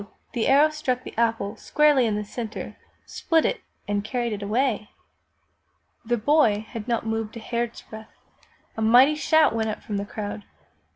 the arrow struck the apple squarely in the center, split it, and carried it away! The boy had not moved a hairsbreadth ! A mighty shout went up from the crowd